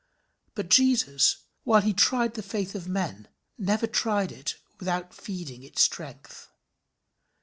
But Jesus, while he tried the faith of men, never tried it without feeding its strength.